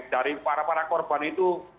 dari para para korban itu